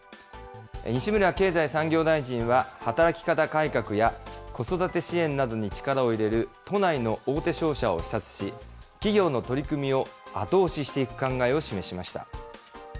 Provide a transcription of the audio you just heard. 西村経済産業大臣は、働き方改革や子育て支援などに力を入れる都内の大手商社を視察し、企業の取り組みを後押ししていく考えを示しました。